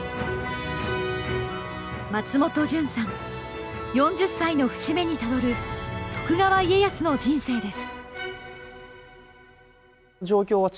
松本潤さん、４０歳の節目にたどる徳川家康の人生です。